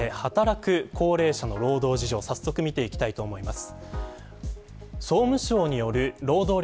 働く高齢者の労働事情を早速見ていきたいと思います。